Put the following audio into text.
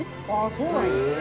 そうなんですね。